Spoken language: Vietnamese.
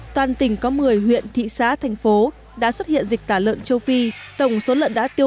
toàn tỉnh có một mươi huyện thị xã thành phố đã xuất hiện dịch tả lợn châu phi tổng số lợn đã tiêu